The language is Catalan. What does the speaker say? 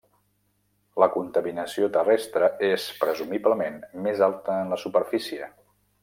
La contaminació terrestre és presumiblement més alta en la superfície.